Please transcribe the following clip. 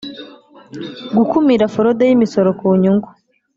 gukumira forode y imisoro ku nyungu